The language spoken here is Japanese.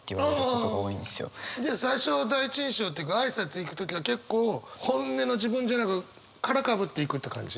じゃあ最初第一印象というか挨拶行く時は結構本音の自分じゃなく殻かぶっていくって感じ？